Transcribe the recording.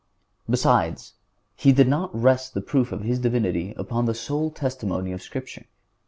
Besides, He did not rest the proof of His Divinity upon the sole testimony of Scripture.